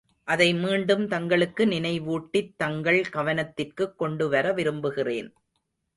அதை மீண்டும் தங்களுக்கு நினைவூட்டித் தங்கள் கவனத்திற்குக் கொண்டு வர விரும்புகிறேன்.